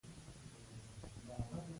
رهب شدید ډار ته وایي.